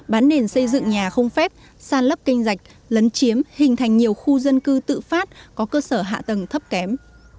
bán nền xây dựng nhà không phép san lấp kênh dạch lấn chiếm hình thành nhiều khu dân cư tự phát có cơ sở hạ tầng thấp kém